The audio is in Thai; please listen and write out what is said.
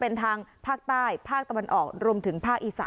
โดยการติดต่อไปก็จะเกิดขึ้นการติดต่อไป